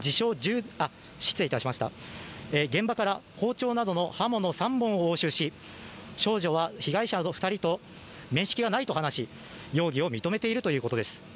現場から包丁などの刃物３本を押収し少女は被害者２人と面識がないと話し容疑を認めているということです。